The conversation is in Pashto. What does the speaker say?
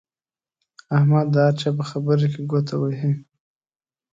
احمد د هر چا په خبره کې ګوته وهي.